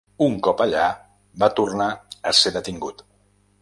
Un cop allà va tornar a ser detingut.